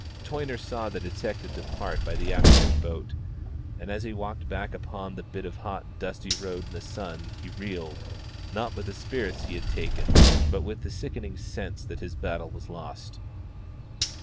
Toyner saw the detective depart by the afternoon boat, and as he walked back upon the bit of hot dusty road in the sun he reeled, not with the spirits he had taken, but with the sickening sense that his battle was lost.